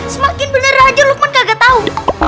semakin bener aja lukman kagak tahu